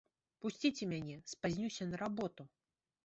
Пусціце мяне, спазнюся на работу!